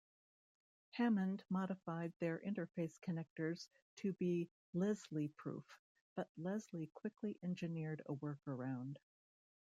Hammond modified their interface connectors to be "Leslie-proof", but Leslie quickly engineered a workaround.